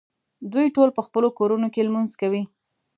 دوی ټول په خپلو کورونو کې لمونځ کوي.